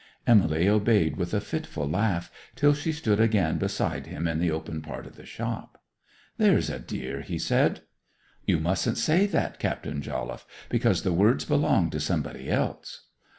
Emily obeyed with a fitful laugh, till she stood again beside him in the open part of the shop. 'There's a dear,' he said. 'You mustn't say that, Captain Jolliffe; because the words belong to somebody else.